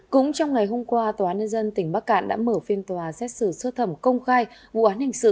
cũng trong ngày hôm qua tòa án nhân dân tỉnh bắc cạn đã mở phiên tòa xét xử sơ thẩm công khai vụ án hình sự